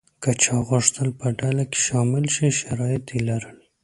که چا غوښتل په ډله کې شامل شي شرایط یې لرل.